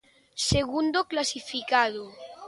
Segundo clasificado.